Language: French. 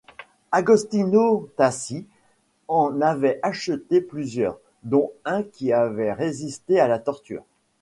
Agostino Tassi en avait acheté plusieurs, dont un qui avait résisté à la torture.